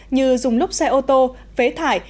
như dùng lốp xe ô tô phế thải